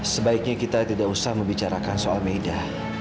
sebaiknya kita tidak usah membicarakan soal meida